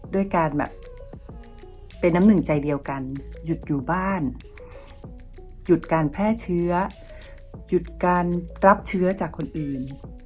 ด้วยการแบบเป็นน้ำหนึ่งใจเดียวกันหยุดอยู่บ้านหยุดการแพร่เชื้อหยุดการรับเชื้อจากคนอื่น